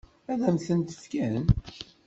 Ad m-ten-fken?